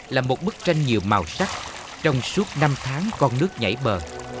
là một bức tranh nhiều màu sắc trong suốt năm tháng con nước nhảy bờ